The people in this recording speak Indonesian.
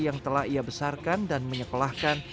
yang telah ia besarkan dan menyekolahkan